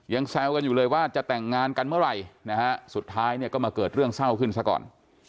แซวกันอยู่เลยว่าจะแต่งงานกันเมื่อไหร่นะฮะสุดท้ายเนี่ยก็มาเกิดเรื่องเศร้าขึ้นซะก่อน